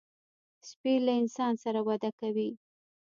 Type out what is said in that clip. سپي له انسان سره وده کوي.